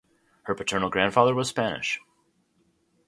Her paternal grandfather was Spanish.